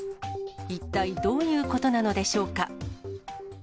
一体どういうことなのでしょうか。